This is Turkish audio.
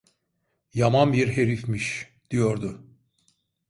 Yaman bir herifmiş, diyordu.